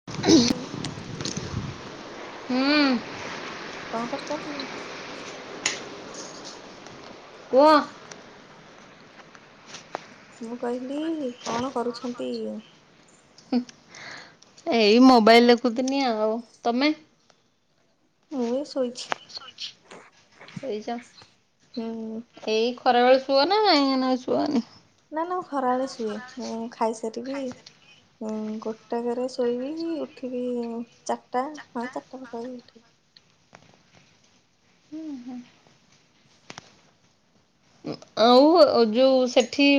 ହୁଁ। କଣ କରୁଛନ୍ତି? କୁହ? ମୁଁ କହିଲି କଣ କରୁଛନ୍ତି? ଏଇ ମୋବାଇଲ ଦେଖୁତିନି ଆଉ ତମେ? ମୁଁ ଏଇ ଶୋଇଛି। ଶୋଇଚି। ସୋଇଚ? ହୁଁ ଏଇ ଖରା ବେଳେ ଶୁଅ ନା ଏଇନା ଶୁଅନି? ନା ନା ମୁଁ ଖରାବେଳେ ଶୁଏ ମୁଁ ଖାଇସାରିକି ହୁଁ ଗୋଟା କରେ ଶୋଇବି ଉଠିବି ଚାରିଟା ହଁ ଚାରିଟା ପାଖା ପାଖି ଉଠିବି। ଆଉ ଯୋଉ ସେଠି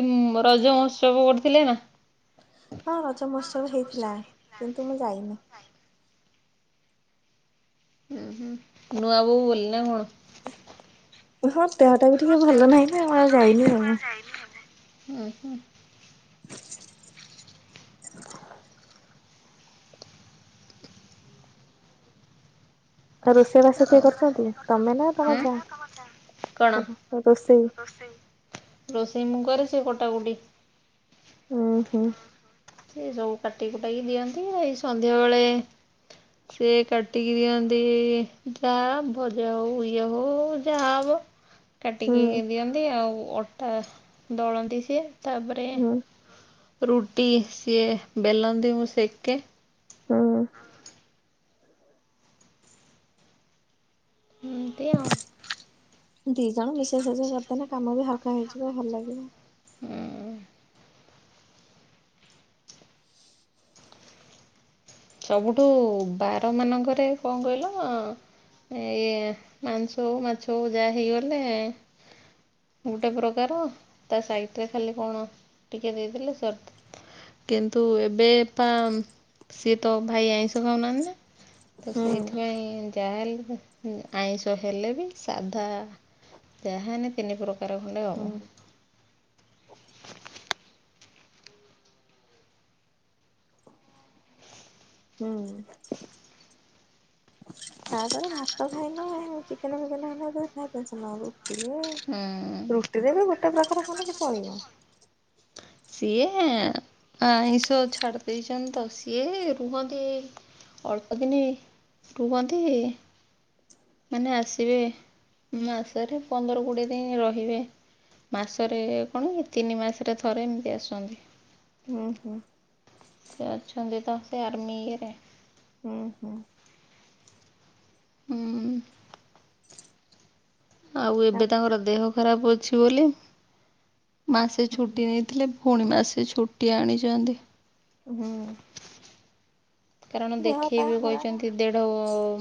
ରଜ ମହୋତ୍ସବ କରିଥିଲେ ନା? ହଁ ରଜ ମହୋତ୍ସବ ହେଇଥିଲା। କିନ୍ତୁ ମୁଁ ଯାଇନି। ଉହୁଁ। ନୂଆବୋହୂ ବୋଲି ନା କଣ? ହଁ, ଦେହଟା ବି ଟିକେ ଭଲ ନାହିଁ ନା ମୁଁ ଆଉ ଯାଇନି [unintelligible] ଉ ହୁଁ। ଆଉ ରୋଷେଇ ବାସ କିଏ ଆଉ କରୁଛନ୍ତି ତମେ ନା ତମ ହୁଁ ଯା ରୋ ରୋଷେଇ? ରୋଷେଇ। ରୋଷେଇ ମୁଁ କରେ ସେ କୋଟା କୋଟି। ଉଁ ହୁଁ। ସେ ସବୁ କାଟି କୁଟାକି ଦିଅନ୍ତି। ଏଇ ସନ୍ଧ୍ୟା ବେଳେ ସେ କାଟିକି ଦିଅନ୍ତି ଯାହା ଭଜା ହଉ ଇଏ ହଉ ଯାହା ହେବ। ହୁଁ କାଟିକି ଦିଅନ୍ତି ଆଉ ଅଟା ଦଳନ୍ତି ସିଏ ତାପରେ ହୁଁ ରୁଟି ସିଏ ବେଲନ୍ତି ମୁଁ ସେକେ। ହୁଁ। ଏମିତି ଆଉ। ଦି ଜଣ ମିଶେ ସଜ କରିଦେଲେ କାମ ବି ହାଲକା ହେଇଯିବ ଭଲ ଲାଗିବ। ହୁଁ। ସବୁଠୁ ବାରମାନଙ୍କରେ କଣ କଇଲ। ଏ ଇଏ ମାଂସ ହଉ ମାଛ ହଉ ଯାଆ ହେଇଗଲେ। ଗୋଟେ ପ୍ରକାର ତା ସାଇଟିରେ ଖାଲି କଣ ଟିକେ ଦେଇଦେଲେ ସର୍ଟ। କିନ୍ତୁ ଏବେ ପା ସିଏ ତ ଭାଇ ଆଇଁଷ ଖାଉନାହାନ୍ତି ତ ହୁଁ ସେଇଥିପାଇଁ ଯାହାହେଲେ ଆଇଁଷ ହେଲେ ବି ସାଧା ଯାହାହେଲେ ତିନି ପ୍ରକା କାର ଖଣ୍ଡେ ହେବ। ହୁଁ। ହୁଁ। ତାପରେ ଭାତ ଖାଇଲେ ଚିକେନ ଫିକେନ ହେଲେ ଭାରି ଟେନସନ୍ ରୁଟିରେ ରୁଟିରେ ବି ଗୋଟେ ପ୍ରକାର କଲେ ଚଳିବ। ସିଏ। ଆଇଁଷ ଛାଡି ଦେଇଛନ୍ତି ତ, ସିଏ ରୁହନ୍ତି ଅଳ୍ପ ଦିନି, ରୁହନ୍ତି। ମାନେ ଆସିବେ, ମାସରେ ପନ୍ଦର କୋଡ଼ିଏ ଦିନି ରହିବେ। ମାସରେ କଣ, ତିନି ମାସରେ ଥରେ ଏମିତି ଆସନ୍ତି। ଉଁ ହୁଁ। ସେ ଅଛନ୍ତି ତ ସେ ଆର୍ମି ଇଏ ରେ। ଉଁ ହୁଁ। ହୁଁ। ଆଉ ଏବେ ତାଙ୍କର ଦେହ ଖରାପ ଅଛି ବୋଲି, ମାସେ ଛୁଟି ନେଇଥିଲେ। ଫୁଣି ମାସେ ଛୁଟି ଆଣିଚନ୍ତି। ଉଁ ହୁଁ। କାରଣ ଦେହ ପା ଦେଖେଇବେ ଖରାପ କହିଚନ୍ତି ଦେଢ଼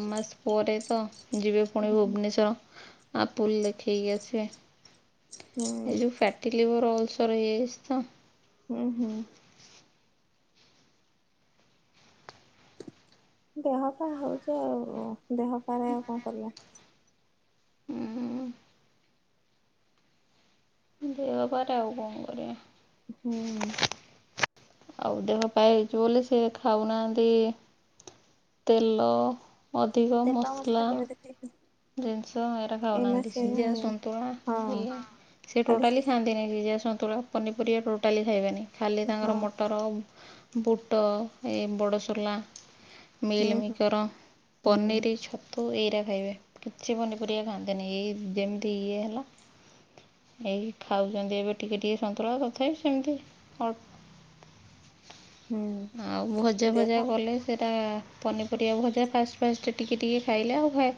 ମାସ ପରେ ତ। ଯିବେ ଫୁଣି ହୁଁ ଭୁବନେଶ୍ଵର, ଆପୁଲ୍ ଦେଖେଇକି ଆସିବେ। ଏ ଯୋଉ ଫ୍ୟାଟି ଲିଭର୍ ଅଲସର ହେଇଯାଇଚି ତ। ହୁଁ ହୁଁ। ଦେହ କଣ ହୋଉଚି ଆଉ। ଦେହପାରେ ଆଉ କଣ କରିବା? ଉଁ। ଦେହପାରେ ଆଉ କଣ କରିବା। ହୁଁ। ଆଉ ଦେହ ପା ହେଇଚି ବୋଲି ସେ ଖାଉନାହାନ୍ତି ତେଲ ଅଧିକ ମସଲା [inaudible] ଜିନ୍ସ, ଏରା ଏଇନା ଖାଉନାହାନ୍ତି ସେ ସିଝା ସନ୍ତୁଳା ହଁ ଏଇଆ। ସେ ଖାଲି ଟୋଟାଲି ସିଝା ଖାନ୍ତିନି ସିଝା ସନ୍ତୁଳା। ପନିପରିବା ଟୋଟାଲି ଖାଇବେନି। ଖାଲି ତାଙ୍କର ହଁ ମଟର ବୁଟ, ଏ ବଡ଼ସୋଲା ହୁଁ ହୁଁ ମିଇଲିମିକର, ହୁଁ ପନିର, ଛତୁ ଏଇରା ଖାଇବେ। କିଛି ପନି ପରିବା ଖାଆନ୍ତିନି। ଏଇ ଯେମିତି ଇଏ ହେଲା ଏଇ ଖାଉଛନ୍ତି ଏବେ ଟିକେ ଟିକେ ସନ୍ତୁଳା। ତଥାବି ସେମିତି ଅଳ୍ପ ହୁଁ। ଆଉ ଭଜା, ଫଜା ଦେହ କଲେ ସେଇଟା ପନିପରିବା ଭଜା ଫାଷ୍ଟ, ଫାଷ୍ଟ ଟିକେ ଟିକେ ଖାଇଲେ। ଆଉ ଖାଏ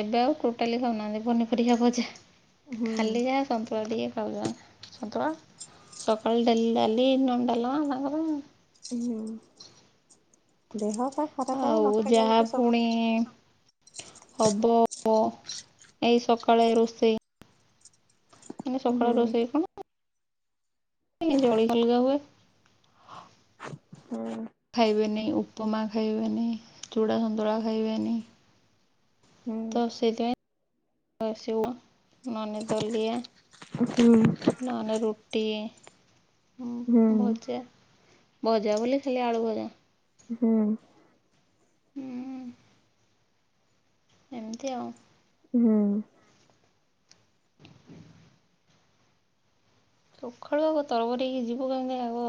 ଏବେ ଆଉ ଟୋଟାଲି ଖାଉନାହାନ୍ତି, ପନିପରିବା ଭଜା। ହୁଁ ଖାଲି ଯାହା ସନ୍ତୁଳା ଟିକେ ଖାଉଛନ୍ତି, ସନ୍ତୁଳା। ସକାଳେ ଡେଲି ଡାଲି ନହେଲେ ଡାଲମା ତାଙ୍କର। ହୁଁ। ଦେହ ପା ଖରାପ ହେଲେ ଆଉ ନ ଖାଇବା ଯାହା ଲୋକ ସବୁ ପୁଣି ଖାଇବେ। ହବ ହବ, ଏଇ ସକାଳେ ରୋଷେଇ। ମାନେ ହୁଁ। ସକାଳେ ରୋଷେଇ କଣ? [unintelligible] ହୁଁ। ଖାଇବେନି, ଉପମା ଖାଇବେନି। ଚୂଡ଼ା ସନ୍ତୁଳା ଖାଇବେନି। ତ ସେଥିପାଇଁ [unintelligible] ନ ହେଲେ ରୁଟି, ଭଜା ଭଜା ବୋଲି ଖାଲି ଆଳୁ ଭଜା। ହୁଁ। ହୁଁ। ଏମିତି ଆଉ। ହୁଁ। ସଖାଳୁ ଆଗ ତରବରେଇକି ଯିବୁ କାହିଁକି ନା ଆଗ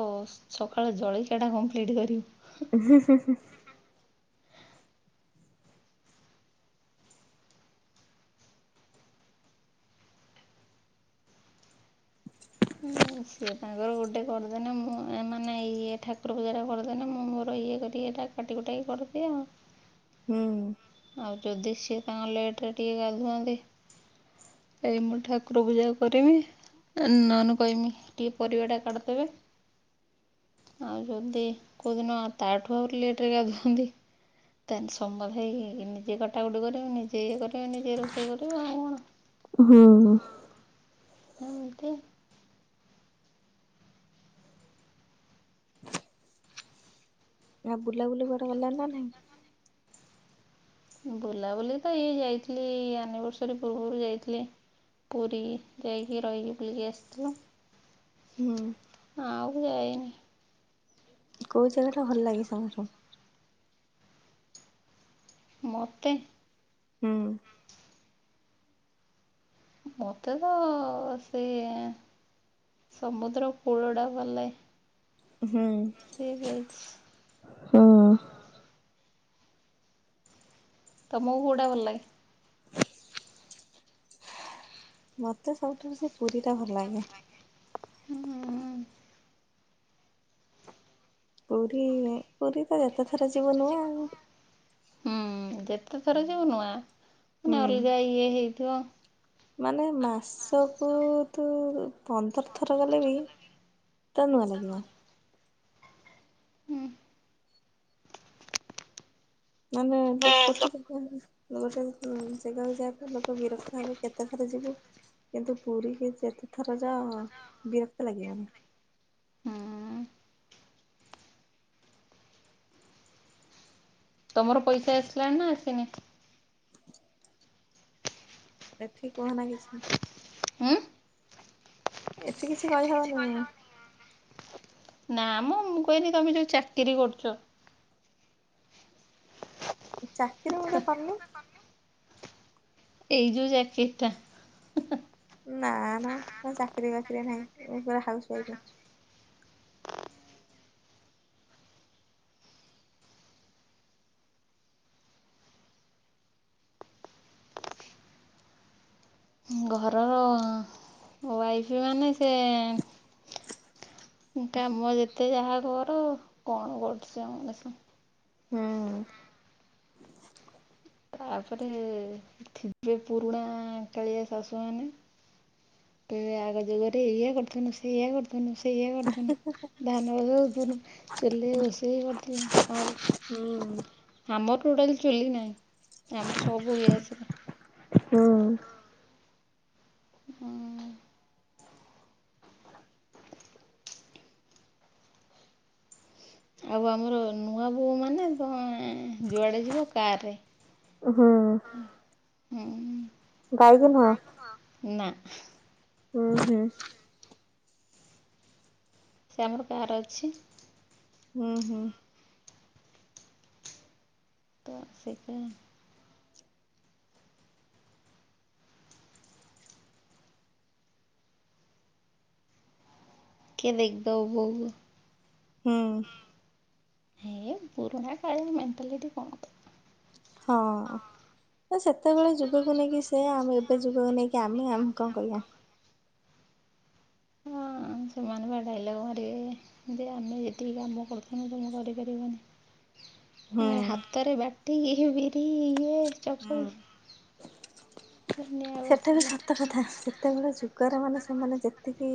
ସଖାଳୁ ଜଳିଖିଆ ଟା କମ୍ପ୍ଲିଟ୍ କରି। [unintelligible] ସିଏ ତାଙ୍କର ଗୋଟେ କରିଦେନେ ମୁଁ ଏମାନେ ଇଏ ଠାକୁର ପୂଜାରା କରିଦେନେ, ମୁଁ ମୋର ଇଏ କରି ଏଟା କାଟିକୁଟାକି କରିଦିଅ। ହୁଁ। ଆଉ ଯଦି ସିଏ ତାଙ୍କ ଲେଟ୍ ରେ ଟିକେ ଗାଧାନ୍ତି। ତାପରେ ମୁଁ ଠାକୁର ପୂଜା କରିମି। ଏ ନନେ କଇମି ଟିକେ ପରିବା ଟା କାଟିଦେବେ। ଆଉ ଯଦି କୋଉଦିନ ତାଠୁ ଆହୁରି ଲେଟ୍ ରେ ଗାଧାନ୍ତି ତାଲ ସମୟ ହେଇ ନିଜେ କଟାକଟି କରିମି, ନିଜେ ଇଏ କରିମି, ନିଜେ ରୋଷେଇ କରିବି ଆଉ କଣ। ହଁ, ହଁ। ଏମିତି ଆ, ବୁଲାବୁଲି କୁଆଡେ ଗଲନ ନା ନାହି? ବୁଲାବୁଲି ତ ଏଇ ଯାଇଥିଲି ଆନିଭର୍ସରୀ ପୂର୍ବରୁ ଯାଇଥିଲି। ପୁରୀ ଯାଇକି ରହିକି [unintelligible] ଆସଥିଲେ। ହୁଁ। ଆଉ ତ ଯାାଇନି। କୋଉ ଜାଗା ଟା ଭଲ ଲାଗେ ସବୁଠୁ? ମୋତେ ହଁ। ମୋତେ ତ ସେ ଏ ସମୁଦ୍ର କୂଳ ଟା ଭଲ ଲାଗେ। ହୁଁ। ସିଏ ଯାଇଛି। ହଁ। ତୋମକୁ କୋଉଟା ଭଲ ଲାଗେ? ମୋତେ ସବୁଠାରୁ ସେ ପୁରୀ ଟା ଭଲ ଲାଗେ। ହୁଁ, ଅଁ, ହଁ। ପୁରୀ ପୁରୀ ତ ଯେତେ ଥର ଯିବ ନୂଆ ଆଉ। ହୁଁ, ଯେତେଥର ଯିବ ନୂଆ, ମାନେ ହୁଁ ଅଲଗା ଇଏ ହେଇଥିବ। ମାନେ ମାସକୁ ତୁ ପନ୍ଦର ଥର ଗଲେ ବି ତ ନୂଆ ଲାଗିବ। ଉଁ, ମାନେ ଲୋକ ଯେମିତି ମାନେ [unintelligible] ଜାଗାକୁ ଯାଆନ୍ତି ଲୋକ ବିରକ୍ତ ହେବେ କେତେ ଥର ଯିବୁ କିନ୍ତୁ ପୁରୀ କି ଯେତେ ଥର ଯାଅ ବିରକ୍ତ ଲାଗିବନି। ହୁଁ ତୋମର ପଇସା ଆସିଲାଣି ନା ଆସିନି? ଏଠି କୁହନା କିଛି। ଉଁ ଏଠି କିଛି କହିହବନି [unintelligible] ନା ମୋ ମୁଁ କହିନି ତୋମେ ଯୋଉ ଚାକିରି କରୁଚ। ଚାକିରି ମୁଁ ତ କରିନି। ଏଇ ଯୋଉ ଚାକିରି ଟା। ନା ନା ମୋ ଚାକିରି ବାକିରି ନାହିଁ ମୁଁ ପୁରା ହାଉସ୍ ୱାଇଫ। ଉଁ ଘରର ୱାଇଫ ମାନେ ସେ କାମ ଯେତେ ଯାହା କର କଣ କରୁଚି [unintelligible] ହୁଁ। ତାପରେ ଥିବେ ପୁରୁଣା କାଳିଆ ଶାଶୁ ମାନେ କହିବେ ଆଗ ଯୁଗରେ ଏଇଆ କରୁଥୁନୁ ସେଇଆ କରୁଥୁନୁ ସେଇଆ କରୁଥୁନୁ ଧାନ ବଶୋଉଥୁନୁ ଚୁଲି ରେ ରୋଷେଇ କରୁଥୁନୁ ଆଉ ହୁଁ। ଆମର ଟୋଟାଲି ଚୁଲି ନାହିଁ। ଆମର ସବୁ ଗ୍ୟାସ୍ ରେ। ହୁଁ। ହୁଁ। ଆଉ ଆମର ନୂଆ ବୋଉ ମାନେ ପୁରା ଏଁ ଉଁ ଯୁଆଡେ ଯିବ କାର ରେ ହୁଁ ହୁଁ। ବାଇକ ନୁହଁ ନା। ହୁଁ ହୁଁ। ସେ ଆମର କାର ଅଛି। ହୁଁ ହୁଁ। ତ ସେଥିପାଇଁ। କିଏ ଦେଖିଦେବ ବୋହୁ କୁ ହୁଁ। ହେ ପୁରୁଣା କାଳିଆ ମେଣ୍ଟାଲିଟି କଣ କ ହଁ। ତ ସେତେବେଳେ ଯୁଗକୁ ନେଇକି ସେଇଆ ଆମେ ଏବେ ଯୁଗକୁ ନେଇକି ଆମେ ଆମେ କଣ କରିବା। ହଁ ସେମାନ ବା ଡାଇଲଗ୍ ମାରିବେ। ଯେ ଆମେ ଯେତିକି କାମ କରୁଥୁନୁ ତମେ କରିପାରିବନି। ହୁଁ ଆମେ ହାତରେ ବାଟିକି ବିରି ଇଏ ହୁଁ ଚକୁଳି ସେଟା ବି ସତ [unintelligible] କଥା ସେତେବେଳେ ଯୁଗରେ ମାନେ ସେମାନେ ଯେତିକି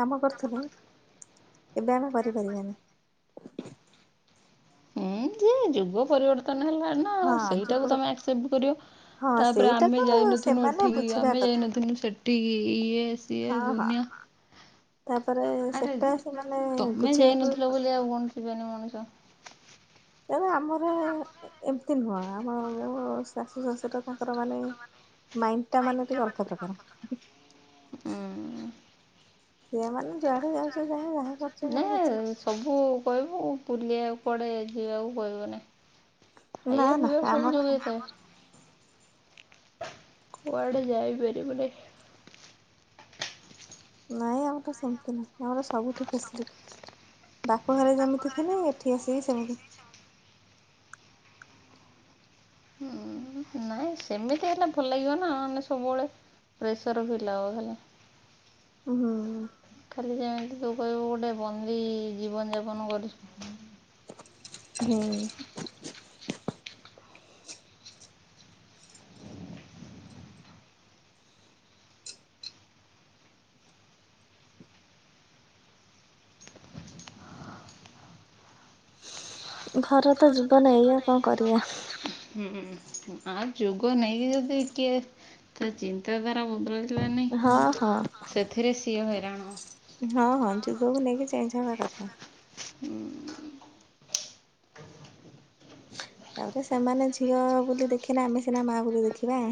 କାମ କରୁଥିଲେ ଏବେ ଆମେ କରିପାରିବାନି। ହୁଁ ଯେ ଯୁଗ ପରିବର୍ତ୍ତନ ହେଲାଣି ନା ଆଉ ହଁ ସେଇଟାକୁ ଯୁଗ ତମେ ଆକ୍ସେପଟ କରିବ ହଁ ତାପରେ ସେଇଟାକୁ ଆମେ ଯାଇନଥିନୁ ସେମାନେ ଏଠିକି ବୁଝିବା ଆମେ କଥା ଯାଇନଥିନୁ ସେ ଟି ଇଏ ସିଏ ହଁ ହଁ ଦୁନିଆ ତାପରେ ଆରେ ସେଟା ସେମାନେ ତମେ ବୁଝିବାକୁ ବି ଯାଇନଥିଲ ବୋଲି ପଡିବ ଆଉ କଣ ଯିବେନି ମଣିଷ। ତାପରେ ଆମର ଏମିତି ନୁହଁ ଆମ ମୋ ଶାଶୁ ଶାଶୁର ତାଙ୍କର ମାନେ ମାଇଣ୍ଡ ଟା ମାନେ ଟିକେ ଅଲଗା ପ୍ରକାର। ହୁଁ। ଛୁଆ ମାନେ ଯୁଆଡେ ଯାଉଚ ଯାଅ ଯାହା କରୁଚ ନା କର କିଛି ସବୁ କହିବୁ ବୁଲିବାକୁ କୁଆଡ଼େ ଯିବାକୁ କହିବ ନେଇ। ନା ଖାଇବା ନା ପିଇବା ସବୁ ଆମର ଯୋଗେଇ ଥାଏ। କୁଆଡେ ଯାଇ ପାରିବୁନାଇଁ। ନାଇଁ ଆମର ସେମିତି ନାହିଁ ଆମର ସବୁଠି ଫେସିଲିଟି। ଵାପଘରେ ଯେମିତି ଥିଲି ଏଠି ଆସିକି ସେମିତି ହୁଁ ନାଇଁ ସେମିତି ହେଲେ ଭଲ ଲାଗିବ ନା ମାନେ ସବୁବେଳେ ପ୍ରେସର ଫା ହୁଁ ହୁ ଖାଲି ଯେମିତି ତୁ କହିବୁ ଗୋଟେ ବନ୍ଦୀ ଜୀବନଯାପନ କରିଛୁ। ହୁଁ। ଘର ତ ଜୀବନ ଏଇଆ କଣ କରିବା। ହୁଁ ଆଉ ଯୁଗ ନେଇକି ଯଦି କିଏ ତା ଚିନ୍ତାଧାରା ବଦଳେ ନି ହଁ ହଁ। ସେଥିରେ ସିଏ ହଇରାଣ ହଁ ହଁ ଯୁଗକୁ ନେଇକି ଚେଞ୍ଜ ହବା କଥା। ହୁଁ। ତାପରେ ସେମାନେ ଝିଅ ବୋଲି ଦେଖିନେ ଆମେ ସିନା ମା ବୋଲିଦେଖିବା।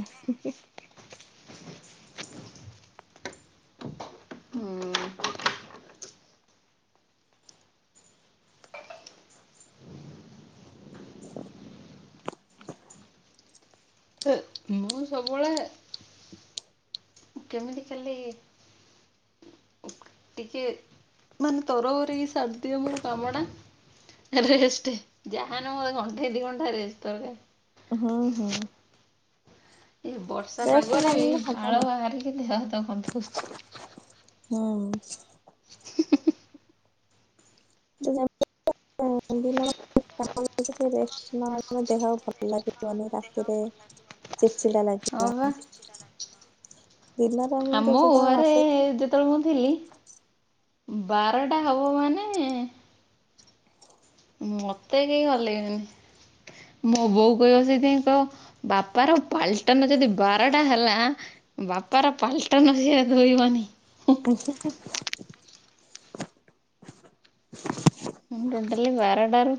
ମୁଁ ସବୁବେଳେ କେମିତି ଖାଲି ଟିକିଏ ମାନେ ତରବର ହେଇ ସାରଦିଏ ଅମୋର କାମଟା। ରେଷ୍ଟେ ଜାହାନେ ମୋର ଘଣ୍ଟେ ଦି ଘଣ୍ଟା ରେଷ୍ଟ ଦରକାର। ହୁଁ ହୁଁ। ଏ ବର୍ଷା ରେଷ୍ଟ ପାଗରେ ବି ନନେଲେ ଝାଳ ହବନି ବାହାରିକି ଦେହ ହାତ ଗନ୍ଧଉଛି। ହୁଁ ଉଁ। [inaudible] ଟିକେ ରେଷ୍ଟ ନହେଲେ ଦେହ ଭଲ ଲାଗିବନି ରାତିରେ ଚିଡ଼ଚିଡା ଲାଗ ହଁ ପା। ଦେର୍ଲା? ଆମ ଘରେ ଜେ ମୁଁ ଥିଲି ବାରଟା ହବ ମାନେ ମତେ କେହି ହଲେଇବେନି ମୋ ବୋଉ କହିବ ସେଇଥିପାଇଁ କଇବ ବାପାର ପାଲଟନ ଯଦି ବାରଟା ହେଲା ବାପାର ପାଲଟନ ସିଏ ଧୋଇବନି। ଆ ମୁଁ ଟୋଟାଲି ବାରଟାରୁ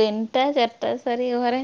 ତିନିଟା ଚାରିଟା ସରି ଘରେ